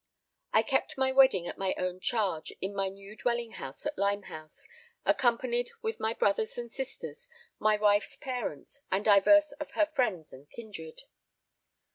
I kept my wedding at my own charge in my new dwelling house at Limehouse, accompanied with my brothers and sisters, my wife's parents, and divers of her friends and kindred.